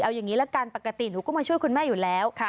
เอาอย่างนี้ละกันปกติหนูก็มาช่วยคุณแม่อยู่แล้ว